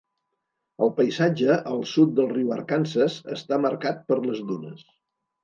El paisatge al sud del riu Arkansas està marcat per les dunes.